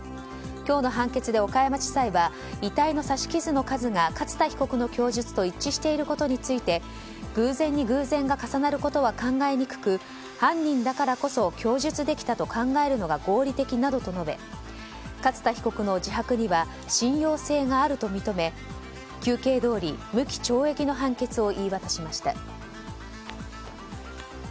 今日の判決で岡山地裁は遺体の刺し傷の数が勝田被告の供述と一致していることについて偶然に偶然が重なることは考えにくく犯人だからこそ供述できたと考えるのが合理的などと述べ勝田被告の自白には信用性があると認め求刑どおり無期懲役の判決を言い渡しました。